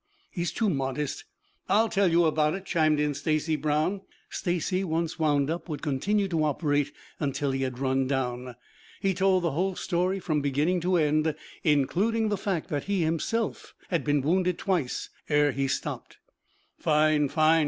"He's too modest. I'll tell you about it," chimed in Stacy Brown. Stacy, once wound up, would continue to operate until he had run down. He told the whole story from beginning to end, including the fact that he himself had been wounded twice, ere he stopped. "Fine, fine!"